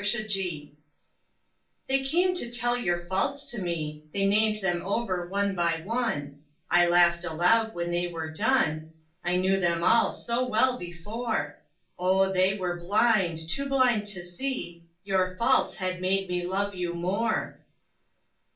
Faults They came to tell your faults to me, They named them over one by one; I laughed aloud when they were done, I knew them all so well before, Oh, they were blind, too blind to see Your faults had made me love you more.